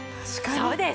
そうです！